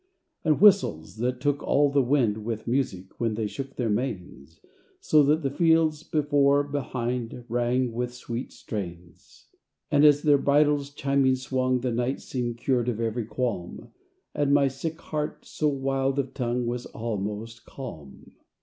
And whistles, that took all the wind With music when they shook their manes; So that the fields, before, behind, Rang with sweet strains. And as their bridles chiming swung, The night seemed cured of every qualm; And my sick heart, so wild of tongue, Was almost calm.